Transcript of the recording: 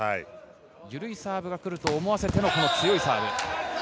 ゆるいサーブが来ると思わせての強いサーブ。